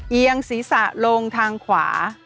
เอียงศีรษะลงทางขวา